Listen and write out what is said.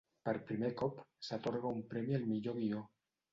Per primer cop s'atorga un premi al millor guió.